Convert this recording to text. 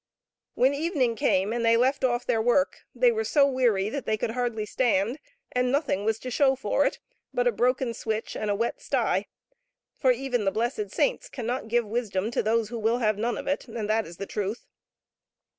When the evening came, and they left off their work, they were so weary that they could hardly stand ; and nothing was to show for it but a broken switch and a wet sty, for even the blessed saints cannot give wisdom to those who will have none of it, and that is the truth.